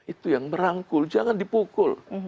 itu yang merangkul jangan dipukul